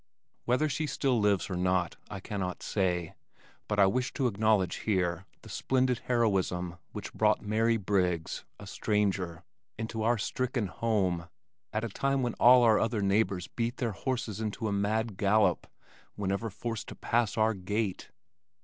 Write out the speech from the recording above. Whether she still lives or not I cannot say, but I wish to acknowledge here the splendid heroism which brought Mary Briggs, a stranger, into our stricken home at a time when all our other neighbors beat their horses into a mad gallop whenever forced to pass our gate.